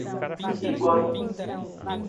Iguaí